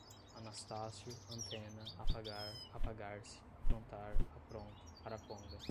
anastácio, antena, apagar, apagar-se, aprontar, apronto, araponga